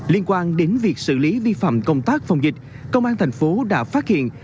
liên quan đến việc xử lý vi phạm công tác phòng dịch công an tp đã phát hiện